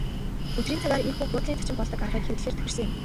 Өдрийн цагаар ийнхүү буудлын зочин болдог аргыг хэрэглэхээр тохирсон юм.